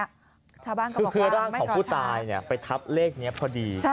ชาวบ้านก็บอกว่าไม่ตลอดคือร่างของผู้ตายไปทับเลขนี้พอดี